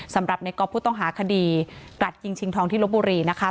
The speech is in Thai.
สำหรับในก๊อฟผู้ต้องหาคดีกรัดยิงชิงทองที่ลบบุรีนะคะ